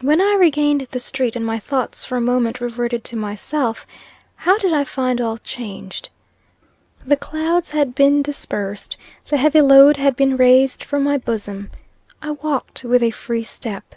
When I regained the street, and my thoughts for a moment reverted to myself, how did I find all changed? The clouds had been dispersed the heavy load had been raised from my bosom. I walked with a free step.